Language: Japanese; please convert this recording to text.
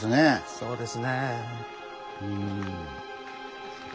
そうです。